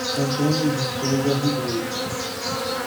Antônio de Souza Ribeiro